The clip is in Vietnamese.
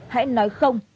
hãy nói không